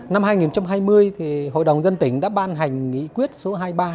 năm hai nghìn hai mươi hội đồng dân tỉnh đã ban hành nghị quyết số hai mươi ba